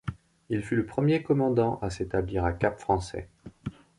Il fut le premier commandant à s'établir à Cap Français.